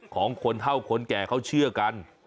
ของคนเท่าคนแก่เขาเชื่อกัน